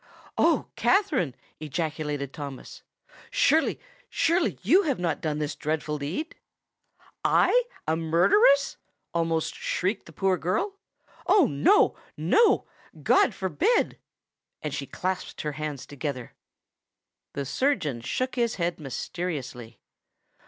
"O Katherine!" ejaculated Thomas; "surely—surely, you have not done this dreadful deed!" "I——a murderess!" almost shrieked the poor girl: "Oh! no—no. God forbid!" And she clasped her hands together. The surgeon shook his head mysteriously.